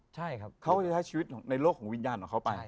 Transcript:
ใช่ครับเขาก็จะใช้ชีวิตในโลกของวิญญาณของเขาไป